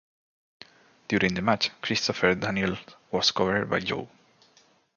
During the match, Christopher Daniels was covered by Joe.